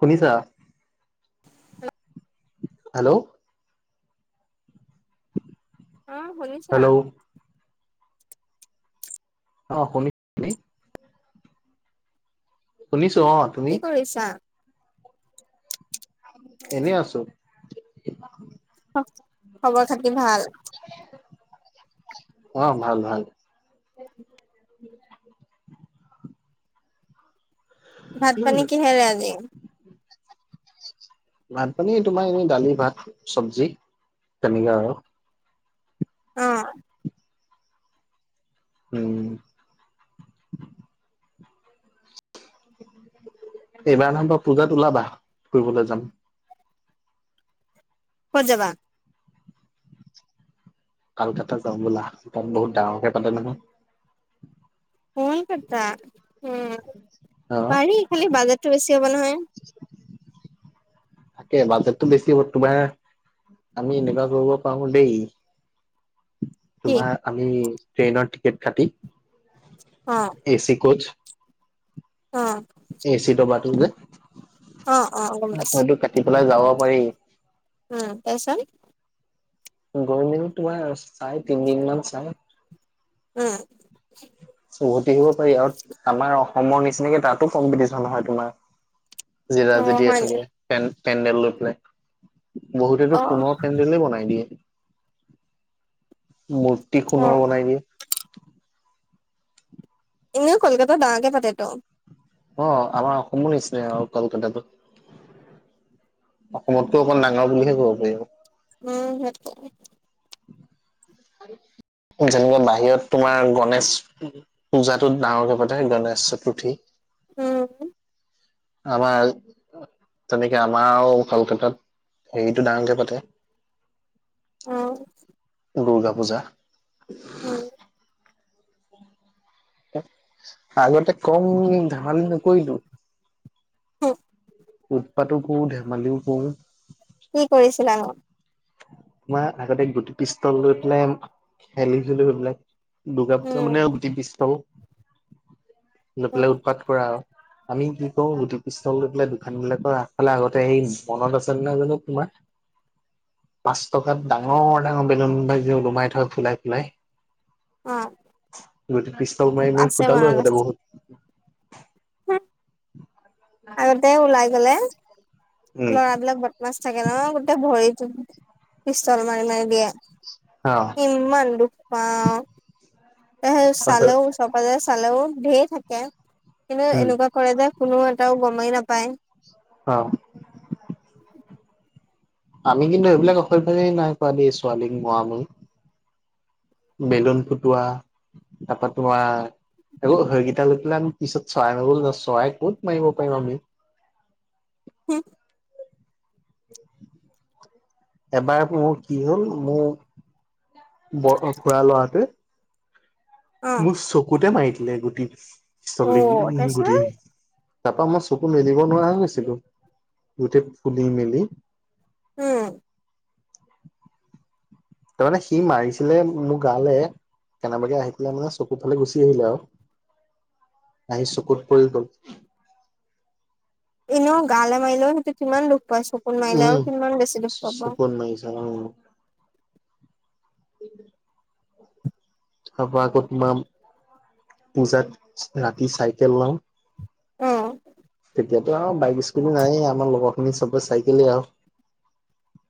শুনিছা। হেল্ল'। অ, শুনিছো। হেল্ল'। অ শুনি শুনি শুনিছো অ'। তুমি? কি কৰিছা। এনেই আছো। খবৰ খাতি ভাল। অ, ভাল ভাল। ভাত, পানী কিহেৰে আজি। ভাত - পানী তোমাৰ এনেই দালি, ভাত, চবজি তেনেকে আৰু। অ'। উম। এইবাৰ নহয় বা পূজাত ওলাবা ফুৰিবলৈ যাম। ক'ত যাবা? কালকাতা যাও বোলা তাত বহুত ডাঙৰকে পালে নহয়? কলকাতা উম, অ পাৰি খালি বাজেটটো বেছি হ'ব নহয়। [inaudible] তাকে বাজেটটো বেছি হ'ব তোমাৰ আমি এনেকুৱা কৰিব পাৰো দেই কি তোমাৰ আমি ট্ৰেইনৰ টিকেট কাটি অ'। এ চি কচ অ। এ চি দবাটো যে, অ অ গম পাইছো সেইটো কাটি পেলাই যাব পাৰি। উম, তাৰপাছত। গৈ দিনত তোমাৰ চাই তিনদিনমান চাই উম। উভতি আহিব পাৰি আৰু আমাৰ অসমৰ নিচিনাকে তাতো কম্পিটিশ্যন হয় তোমাৰ। জিৰা অ যেতিয়ে হয় নি থাকে পেন পেনডেল লৈ পেলাই। অ বহুতেতো সোণৰ পেন্দেলে বনাই দিয়ে। মূৰ্তি অ সোণৰ বনাই দিয়ে। এনেও কলকাতাত ডাঙৰকে পাতেটো। অঁ আমাৰ অসমৰ নিচিনাই আৰু কলকাতাটো। অসমতকৈ অকমান ডাঙৰ বুলিহে ক'ব পাৰি আৰু। উম সে [inaudible] যেনেকে বাহিৰত তোমাৰ গণেশ পূজাটোত ডাঙৰকে পাতে গণেশ চতুৰ্থী। উম। আমাৰ তেনেকে আমাৰ কলকাতাত হেৰিটো ডাঙৰকে পাতে। উম। দুৰ্গা পূজা। উম। আগতে কম ধেমালি নকৰিলো। হু উৎপাতো কৰো, ধেমালিও কৰো। কি কৰিছিলা নু? তোমাৰ আগতে গুটি পিষ্টল লৈ পেলাই খেলিছিলো পেলাই। দুৰ্গা পূজা উম মানে গুটি পিছল লৈ অ পেলাই উৎপাত কৰা আৰু। আমি কি কৰো গুটি পিষ্টল লৈ পেলাই দোকানবিলাকৰ আগফালে আগতে সেই মনত আছে নে নাই জানো তোমাৰ? পাঁচ টকাত ডাঙৰ ডাঙৰ বেলুন ভাই ওলোমাই থয় ফুলাই ফুলাই। গুটি পিষ্টল মাৰি মাৰি আছে ফুটালো মনত আগতে বহুত। আগতে ওলাই গলে উম লৰাবিলাক বদমাছ থাকে নহ গোটেই ভৰিত পিষ্টল মাৰি মাৰি দিয়ে। অ। ইমান দুখ পাও। এহে পাছত চালেও চপজে চালেও ঢেৰ থাকে কিন্তু উম এনেকুৱা কৰে যে কোনো এটাও গমেই নাপায়। অ। আমি কিন্তু এইবিলাক অশ ভাৱেই নাই কোৱা দেই ছোৱালীক মৰা মৰি। বেলুন ফুটোৱা তাৰপৰা তোমাৰ আকৌ সেইকেইটা লৈ পেলাই আমি পিছত চৰাই মাৰল ন চৰাই কত মাৰিব পাৰিম আমি। উম। এবাৰ মোৰ কি হ'ল মোৰ ব খুৰা লৰাটোৱে অ মোৰ চকুতে মাৰি দিলে গুটি অ চলী তাৰপিছত গুটি। তাৰপা মই চকু মেলিব নোৱাৰা হৈছিলো, গোটেই ফুলি মেলি। উম। তাৰমানে সি মাৰিছিলে মোৰ গালে। কেনেবাকে আহি পেলাই মানে চকু ফালে গুচি আহিলে আৰু। আহি চকুত পৰি গ'ল। এনেও গালে মাৰিলেও সেইটো কিমান দুখ পায় চকুত মাৰিলেও কিমান বেছি দুখ পাব? চকু মাৰিছে অ। উম। তাৰ পৰা আকৌ তোমাৰ পূজাত ৰাতি চাইকেল লও। তেতিয়াতো আৰু বাইক স্কুল নাই আমাৰ লগত আপুমি চবে চাইকেলে আও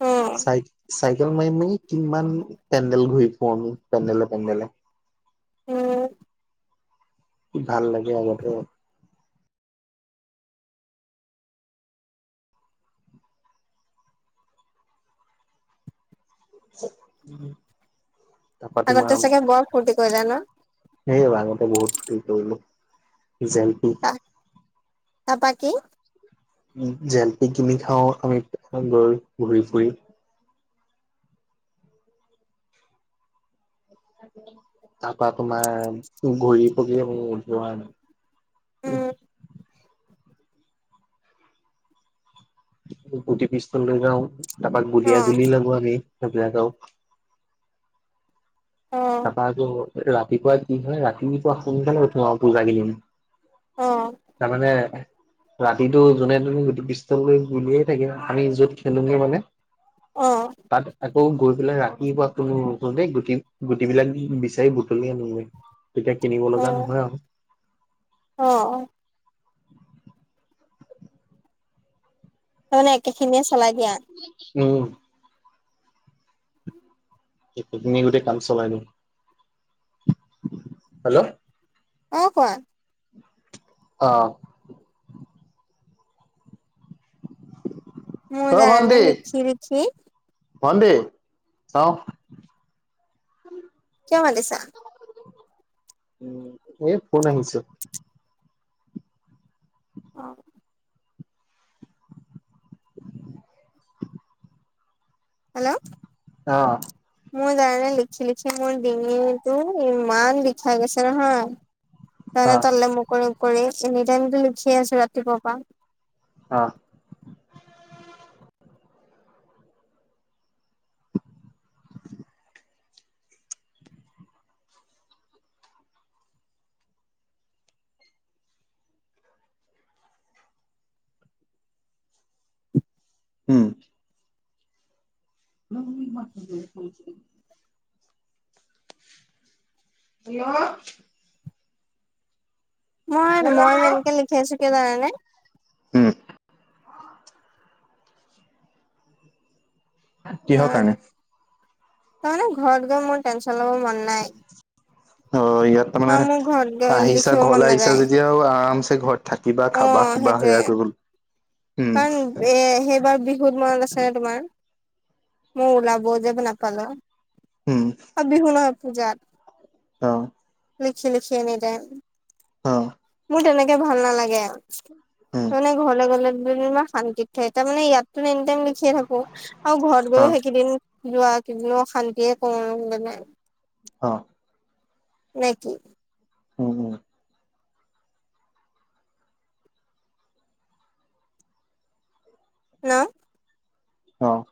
অ চাই চাইকেল মাৰি মেলি কিমান পেণ্ডেল ঘূৰি ফুৰো আমি পেণ্ডেলে পেণ্ডেলে। উম। ভাল লাগে আগতে। উম। আগতে চাগে বৰ ফুৰ্তি কৰিলা ন? সেয়ে আগতে বহুত ফুৰ্তী কৰিলো, জেলপি তাৰ পা কি? জেলপি কিনি খাও, আমি গৈ ঘূৰি ফুৰি। তাপা তোমাৰ ঘূৰি পকিয়ে মোৰ উঠি ওহা নাই। উম গুটি পিষ্টল লৈ যাও, তাৰপা অ গুলিয়া গুলি লাগো আমি, সেইবিলাক আও। অ তাৰপা আকৌ ৰাতিপুৱা কি হয়, ৰাতিপুৱা সোনকালে উঠো আৰু পূজা কিন। অ তাৰমানে ৰাতিটো যোনে তোনে গুটি পিষ্টল লৈ গুলিয়াই থাকে, আমি য'ত খেলোগে মানে। অ'। তাত আকৌ গৈ পেলাই ৰাতিপুৱা তোল [unintelligible] দেই গুটি গুটিবিলাক বিচাৰি বুটলি আনোগে, তেতিয়া কিনিব অ লগা নহয় আৰু। অ'। তাৰমানে একেখিনিয়ে চলাই দিয়া? উম। লিখি [unintelligible] কিনি গোটেই কাম চলাই দিও, হেল্ল'! অ কোৱা? অ। মোৰ জানানে, লিখি-লিখি ভন্টি, চাও। কিয় মাতিছা? এয়েই ফোন আহিছে। অ'। হেল্ল'! অ। মোৰ জানে লিখি-লিখি মোৰ ডিঙিটো, ইমান লিখা গৈছে নহয়। অ [unintelligible] তলে মোৰ কৰি মোহ কৰি, এনি টাইমো লিখিয়ে আছো ৰাতিপুৱা পৰা। অ। উম। ম [inaudible] [unintelligible] মই, মই হেল্ল' এনেকে লিখি আছো, কিয় জানানে? উম। কিহৰ কাৰণে? তাৰানে ঘৰত গয় মোৰ টেনচন ল'ব মন নাই। অহ ইয়াত তাৰ আৰু মানে, মোৰ ঘৰত গৈ আহিছা লিখিব মন ঘৰলৈ আহিছা নাযায় যেতিয়া আৰু আৰামছে ঘৰত থাকিবা অ খাবা খুবা সেইটোয়ে সেয়া কৰিব [unintelligible] উম কাৰণ এ সেইবাৰ বিহুত মনত আছে [unintelligible] তোমাৰ, মই ওলাব যে নাপালো। উম অ বিহু নহয়, পূজাত। অহ। লিখি লিখি এনিতাইয়ম। অহ। মোৰ তেনেকে ভাল নালাগে, উম তাৰমানে ঘৰলৈ গলে ইমান শান্তিত থাকে, তাৰমানে ইয়াত এনি টাইম লিখিয়ে থাকো, আৰু ঘৰত অ গৈয়ও সেইকেইদিন যোৱা [unintelligible] কি শান্তিয়ে কওঁ [unintelligible] ব নাই। অহ। নে কি! উম-উম। [unintelligible] অহ।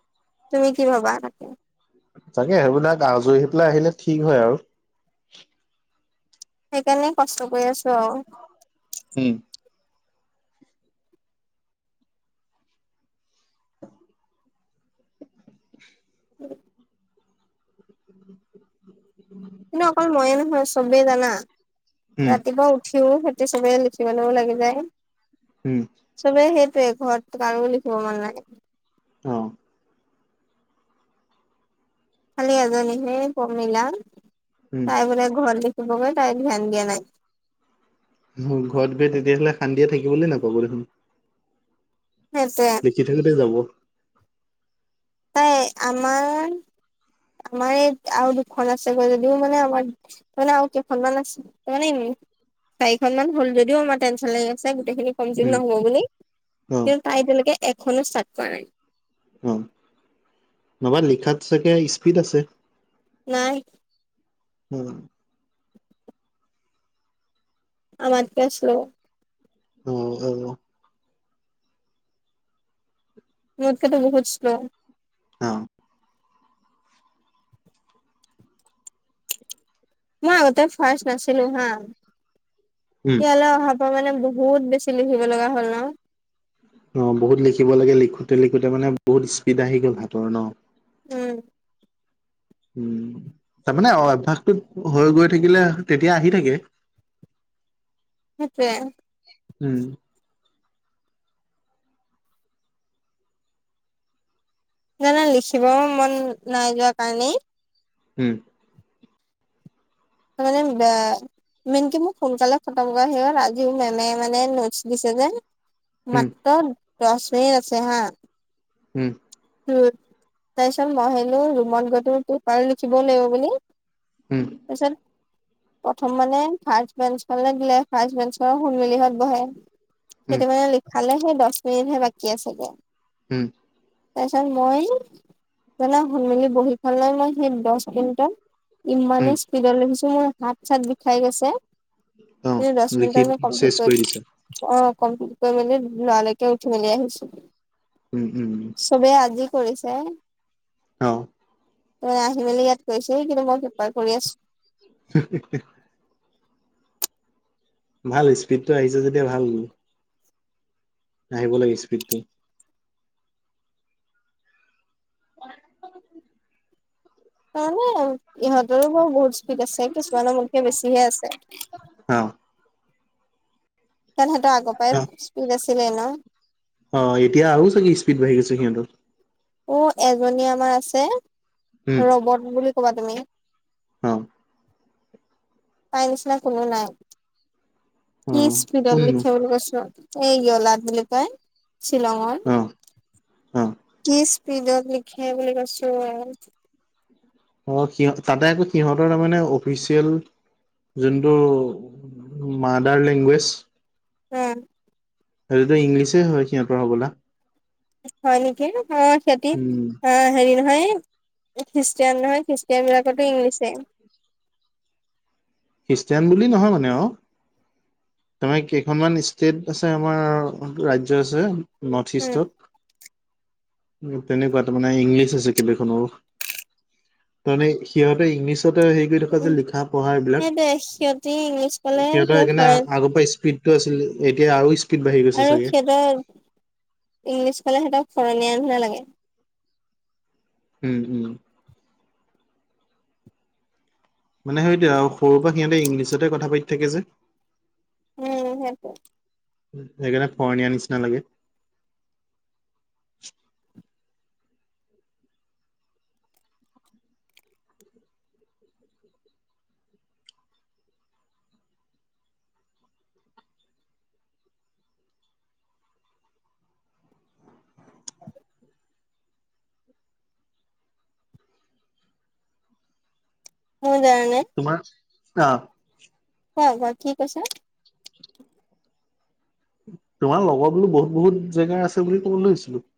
তুমি কি ভাবা। তাকে তাকে সেইবিলাক আজৰিই পেলাই আহিলে ঠিক হয় আৰু। সেইকাৰণে কষ্ট কৰি আছো আৰু। উম। [inaudible] উম। কিন্তু অকল ময়ে নহয় চবেই জানা উম ৰাতিপুৱা উঠিও সি। চবেই লিখিবলৈও লাগি যায়। উম। চবে সেইটয়ে ঘৰত কাৰো লিখিব মন নাই। অ' খালী এজনীহে প্ৰমীলা, উম তাই বোলে ঘৰত দেখিবগৈ তাই ধ্যান দিয়া নাই। ঘৰত গৈ তেতিয়াহ'লে শান্তিয়ে থাকিবলৈ নাপাব দেখোন। [inaudible] কেতিয়ালেকে যাব। নাই আমাৰ -আমাৰ এই আৰু দুখন আছেগৈ যদিও মানে আমাৰ। তাৰমানে আৰু কেইখন মান আছে [unintelligible] চাৰিখন মান হ'ল যদি আমাৰ টেনশন লাগিছে গোটেইখিনি কমপ্লিট উম নহ'ব বুলি অ কিন্তু তাই তেওঁলোকে এখনো ষ্টাৰ্ট কৰা নাই। অ, নহবা লিখাত চাগে স্পীড আছে। নাই। উম। আমাত কে শ্ল। উম হয় ও। মোতকেতো বহুত শ্ল'ও। অ' মই আগতে ফাৰ্ষ্ট নাছিলো হা উম ইয়ালে অহা পা। মই মানে বহুত বেছি লিখিব লগা হ'ল ন। অ' বহুত লিখিব লাগে লিখোতে লিখোতে মানে বহুত স্পীড আহি গ'ল ভাতৰ ন'। উম। উম তাৰ মানে, অভ্যাসটোত হৈ গৈ থাকিলে তেতিয়া আহি থাকে। সেইটোৱে। উম। জানা লিখিবও মন নাই যোৱা কাৰণেই হুম। মানে বে মেনকে মোক সোনকালে খতম সি হ'ল আজিও মেমে মানে নোটচ দিছে যে। উম মাত্ৰদচ মিনিট আছে হা উম। উম, তাৰপিছত মই হেনো ৰুমত গৈতো তোৰ দুবাৰ লিখিবও লাগিব বুলি। উম তাৰপিছত প্ৰথম মানে ফাৰ্ষ্ট বেঞ্চখনলে দিলে ফাৰ্ষ্ট বেঞ্চখনৰ সোণমেলিহঁত বহে। উম সেইটো মানে লিখালে সেই দছ মিনিটহে বাকী আছেগে। উম। তাৰপিছত মই জানা সোণমেলি বহীখনলৈ মই সেই দছ মিনিটত উম ইমানেই স্পীডলৈ লিখিছো মোৰ হাত - চাত বিষাই গৈছে। অ ই দছ মিনিট লিখি আগে চেচ কমপ্লিট কৰি দিছা অ' কমপ্লিত কৰি মেলি লৰা লৰিকে উঠি মেলি আহিছো। উম- উম -উম। চবেই আজি কৰিছে। অ। ত আহি মেলি ইয়াত কৈছে কিন্তু মই পেপাৰ কৰি আছো। [unintelligible] ভাল স্পীডটো আহিছে যেতিয়া ভাল। আহিব লাগে স্পিডটো। [unintelligible] এনে ইহঁতৰো বিও বহুত স্পীড আছে কিছুমানৰ মোতকে বেছিহে আছে। অ। কাৰণ সিঁহতৰ আগৰ অ পৰাই স্পীড আছিলে ন। অ এতিয়া আৰু চাগে কি স্পীড বাঢ়ি গৈছে সিহঁতৰ। অ এজনী আমাৰ আছে ৰবট বুলি ক'বা তুমি। অহ। তাইৰ নিচিনা কোনো নাই, অ কি স্পিডত কোননো লিখে বুলি কৈছোঁ। এই ইয়লাত বুলি কয় শ্বিলঙত। অ অ কি স্পিডত লিখে বুলি কৈছো। অ সিহঁ তাতে আকৌ সিহঁতৰ তাৰমানে অফিচিয়েল যোনটো মাডাৰ লেংগুৱেজ। উম। সেইটোতো ইংলিচে হয় সিহঁতৰ হ'বলা। হয় নেকি? অ সিহতি উম অ হেৰি নহয় খ্ৰীষ্টিয়ান নহয় খ্ৰীষ ষ্টানবিলাক কতো ইংলিছে। খ্ৰীষ্টিয়ান বুলি নহয় মানে অও তাৰমানে কেইখনমান ষ্টেট আছে আমাৰ ৰাজ্য আছে নৰ্থ উম ইষ্টত। তেনেকুৱা তাৰ মানে ইংলিছ আছে কেইবাখনৰো তাৰমানে সিহঁতে ইংলিছতে হেৰি কৰি থকা যে লিখা - পঢ়া এইবিলাক। দে সিহঁতি ইংলিছ কলে সিহঁতৰ কিবা সেইকাৰণে ফৰেন আ আগৰ পৰা স্পীডটো আছিল এতিয়া আৰু ইচ আৰু সিহঁতৰ ইংলিছ ক'লে সিহঁতক ফৰণীয়না নিচিনা লাগে। উম, উম। মানে সেইটো আও সৰুৰ পৰা সিহঁতে ইংলিছতে কথা পাতি থাকে যে। উম সেইটোৱে। সেইকাৰণে ফৰণীয়াৰ নিচিনা লাগে। মোৰ জানে। তোমাৰ অ। কোৱা কোৱা কি কৈছে। তোমাৰ লগত বোলো বহুত বহুত জেগাৰ আছে বুলি ক'ব লৈছিলো।